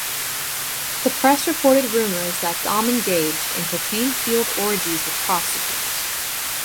The press reported rumours that Daum engaged in cocaine-fuelled orgies with prostitutes.